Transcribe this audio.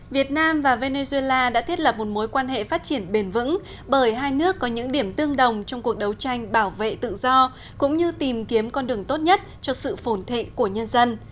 việt nam và venezuela đã thiết lập một mối quan hệ phát triển bền vững bởi hai nước có những điểm tương đồng trong cuộc đấu tranh bảo vệ tự do cũng như tìm kiếm con đường tốt nhất cho sự phổn thịnh của nhân dân